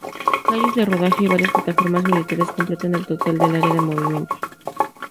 Calles de rodaje y varias plataformas militares completan el total del área de movimientos.